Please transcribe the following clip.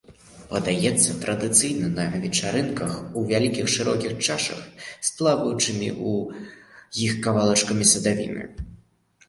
Падаецца традыцыйна на вечарынках у вялікіх шырокіх чашах, з плаваючымі ў іх кавалачкамі садавіны.